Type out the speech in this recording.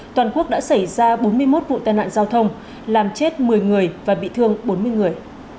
toàn quốc đã xảy ra bốn mươi một vụ tai nạn giao thông làm chết một mươi người và bị thương bốn mươi người